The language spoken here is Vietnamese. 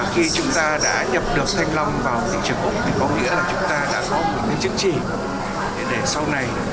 khi chúng ta đã nhập được thanh long vào thị trường có nghĩa là chúng ta đã có một chứng chỉ để sau này